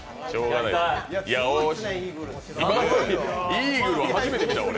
イーグルを初めて見た、俺。